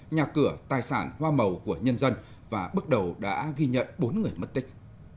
nhà cửa tài sản hoa màu của nhân dân và bước đầu đã ghi nhận bốn người mất tích